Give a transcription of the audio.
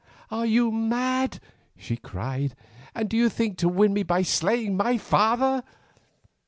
"Are you mad?" she cried. "And do you think to win me by slaying my father?